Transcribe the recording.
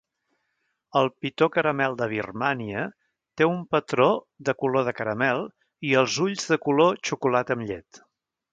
El pitó caramel de Birmània té un patró de color de caramel i els ull de color "xocolata amb llet".